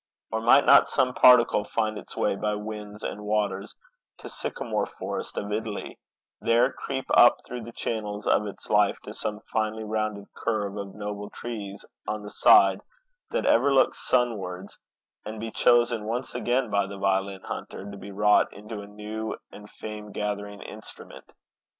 Or might not some particle find its way by winds and waters to sycamore forest of Italy, there creep up through the channels of its life to some finely rounded curve of noble tree, on the side that ever looks sunwards, and be chosen once again by the violin hunter, to be wrought into a new and fame gathering instrument?